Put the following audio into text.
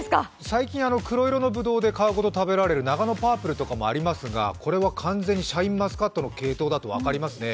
最近、黒色のブドウで皮ごと食べられるナガノパープルとかもありますが、これは完全にシャインマスカットの系統だと分かりますね。